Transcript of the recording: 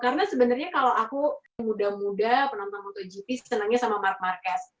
karena sebenarnya kalau aku muda muda penonton motogp senangnya sama mark marquez